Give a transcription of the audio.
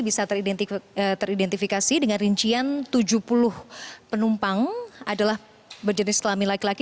bisa teridentifikasi dengan rincian tujuh puluh penumpang adalah berjenis kelamin laki laki